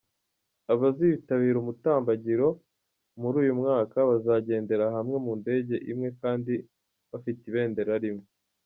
Abazitabira umutambagiro muri uyu mwaka bazagendera hamwe mu ndege imwe kandi bafite ibendera rimwe.